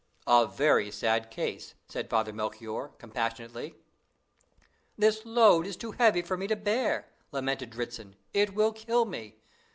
"A very sad case!" said Father Melchoir, compassionately. "This load is too heavy for me to bear," lamented Dritzhn; "it will kill me!